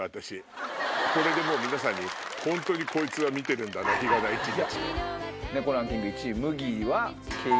これでもう皆さんにホントにこいつは見てるんだな日がな一日。